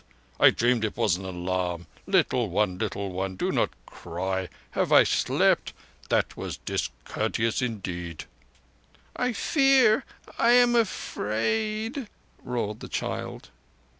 I dreamed it was an alarm. Little one—little one—do not cry. Have I slept? That was discourteous indeed!" "I fear! I am afraid!" roared the child.